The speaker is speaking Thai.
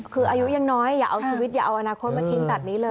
คืออายุยังน้อยอย่าเอาชีวิตอย่าเอาอนาคตมาทิ้งแบบนี้เลย